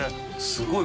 すごい。